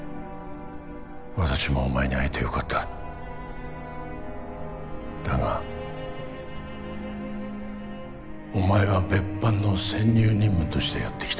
私もお前に会えてよかっただがお前は別班の潜入任務としてやって来た